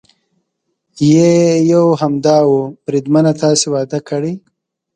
یې یو همدا و، بریدمنه تاسې واده کړی؟